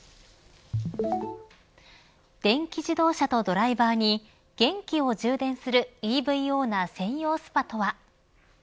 電気自動車とドライバーに元気を充電するＥＶオーナー専用スパとは。